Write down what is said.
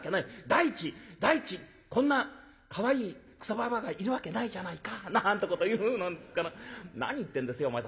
第一第一こんなかわいいクソババアがいるわけないじゃないか』なんてこと言うもんですから『何言ってんですよお前さん